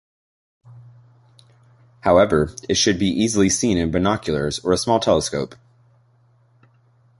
However, it should be easily seen in binoculars or a small telescope.